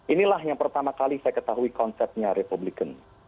inilah yang pertama kali saya ketahui konsepnya republikan